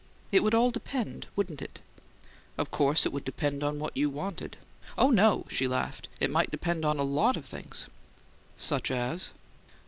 "It would all depend, wouldn't it?" "Of course it would depend on what you wanted." "Oh, no!" she laughed. "It might depend on a lot of things." "Such as?"